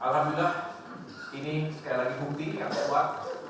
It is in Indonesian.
alhamdulillah ini sekali lagi bukti yang kuat